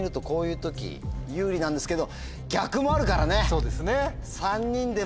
そうですね。